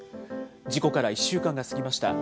事故から１週間が過ぎました。